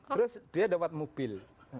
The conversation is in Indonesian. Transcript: terus dia dapat mobil